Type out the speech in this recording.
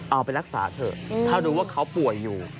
เอาไปรักษาเถอะถ้ารู้ว่าเขาป่วยอยู่